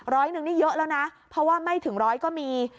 ร้อยหนึ่งนี่เยอะแล้วนะเพราะว่าไม่ถึงร้อยก็มี